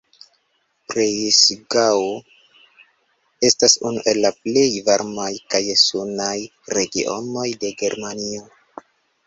Breisgau estas unu el la plej varmaj kaj sunaj regionoj de Germanio.